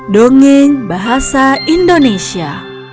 dongeng bahasa indonesia